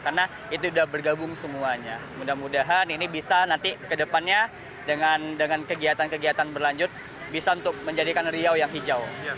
karena itu sudah bergabung semuanya mudah mudahan ini bisa nanti ke depannya dengan kegiatan kegiatan berlanjut bisa untuk menjadikan riau yang hijau